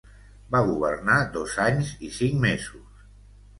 Va governar dos anys i cinc mesos.